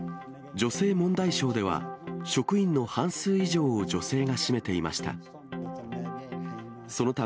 女性問題省では、職員の半数以上を女性が占めていました。